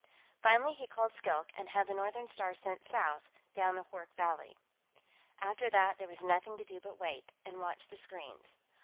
Finally, he called Skilk and had the Northern Star sent south down the Hoork Valley. After that, there was nothing to do but wait, and watch the screens.